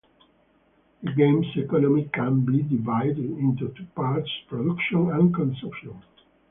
The game's economy can be divided into two parts - production and consumption.